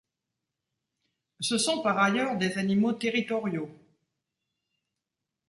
Ce sont par ailleurs des animaux territoriaux.